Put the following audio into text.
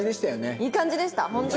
いい感じでした本当に。